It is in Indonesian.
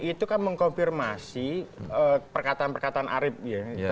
itu kan mengkonfirmasi perkataan perkataan arief ya